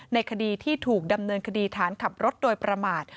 ในคดีที่ถูกดำเนินคดีฐานขับรถโดยประมาท